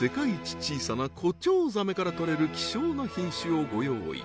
小さなコチョウザメから取れる希少な品種をご用意